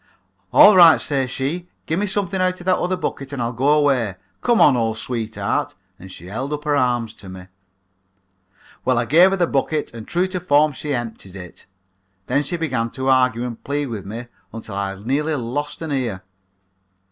"'All right,' says she, 'gimme something out of that other bucket and I'll go away. Come on, old sweetheart,' and she held up her arms to me. "Well, I gave her the bucket and true to form she emptied it. Then she began to argue and plead with me until I nearly lost an ear.